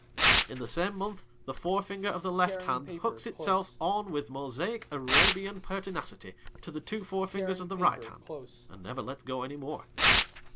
In the same month, the forefinger of the left hand hooks itself on with Mosaic Arabian pertinacity to the two forefingers of the right hand, and never lets go any more.